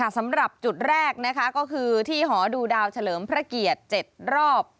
สำหรับจุดแรกก็คือที่หอดูดาวเฉลิมพระเกียรติ๗รอบ